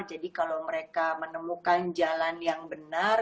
jadi kalau mereka menemukan jalan yang benar